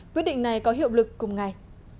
quyết định này có hiệu lực cùng ngày